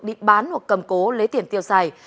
đi bán hoặc cầm cố lấy tiền tiêu xài